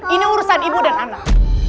ini urusan ibu dan anak